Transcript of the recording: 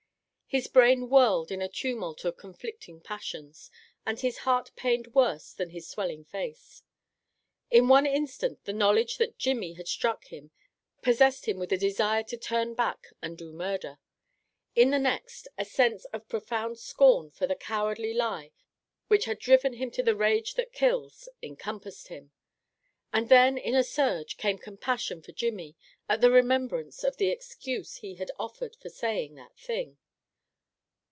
His brain whirled in a tumult of conflicting passions, and his heart pained worse than his swelling face. In one instant the knowledge that Jimmy had struck him, possessed him with a desire to turn back and do murder. In the next, a sense of profound scorn for the cowardly lie which had driven him to the rage that kills encompassed him, and then in a surge came compassion for Jimmy, at the remberence of the excuse he had offered for saying that thing.